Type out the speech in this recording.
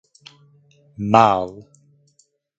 Maal.